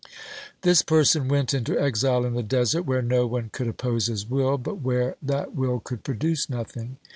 This person went into exile in the desert, where no one could oppose his will but where that will could produce nothing.